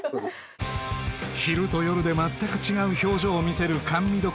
昼と夜で全く違う表情を見せる甘味処